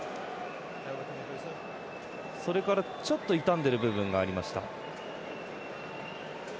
それから、ちょっと傷んでる部分がありました。